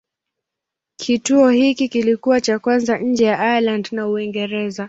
Kituo hiki kilikuwa cha kwanza nje ya Ireland na Uingereza.